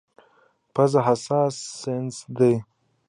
پزه حساس سینسر دی.